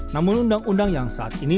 namun undang undang yang saat ini